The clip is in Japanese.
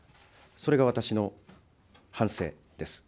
それが私の反省です。